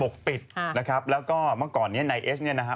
นะครับแล้วก็เมื่อก่อนนี้นายเอสเนี่ยนะฮะ